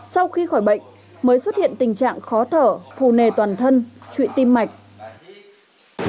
sau khi khỏi bệnh mới xuất hiện tình trạng khó thở phù nề toàn thân trụi tim mạch